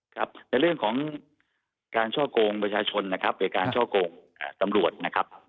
ครับในเรื่องของการช่อกงประชาชนนะครับโดยการช่อกงตำรวจนะครับ